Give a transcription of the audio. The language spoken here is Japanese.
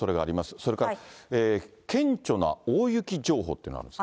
それから、顕著な大雪情報っていうの、あるんですか。